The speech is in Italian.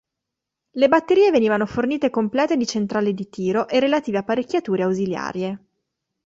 Le batterie venivano fornite complete di centrale di tiro e relative apparecchiature ausiliarie.